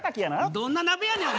どんな鍋やねん！